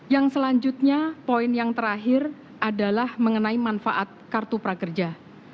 yang selanjutnya poin yang terakhir adalah mengenai manfaat kartu prakerja